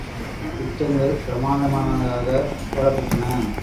திட்டங்கள் பிரமாண்டமானதாகப் போடப்பட்டன.